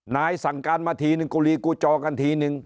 สั่งการมาทีนึงกุลีกูจอกันทีนึง